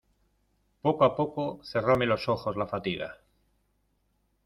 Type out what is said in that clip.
poco a poco cerróme los ojos la fatiga